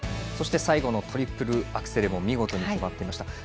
そして最後のトリプルアクセルも見事に決まっていました。